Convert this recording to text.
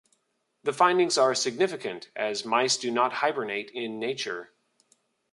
The findings are significant, as mice do not hibernate in nature.